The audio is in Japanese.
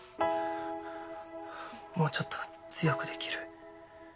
もうちょっと強くできる？